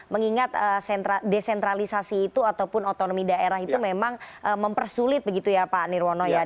mengingat desentralisasi itu ataupun otonomi daerah itu memang mempersulit begitu ya pak nirwono ya